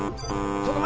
その前。